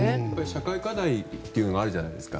社会課題というのがあるじゃないですか。